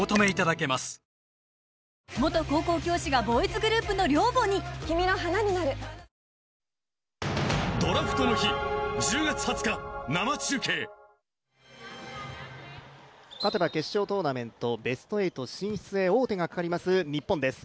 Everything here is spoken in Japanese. サントリー「セサミン」勝てば決勝トーナメント、ベスト８進出へ王手がかかります日本です。